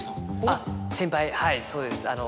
あっ先輩はいそうです。